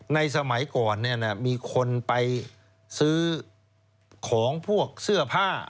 สมัยก่อนมีคนไปซื้อของพวกเสื้อผ้า